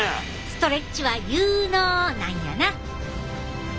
ストレッチは有ＮＯなんやな！